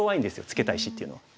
ツケた石っていうのは。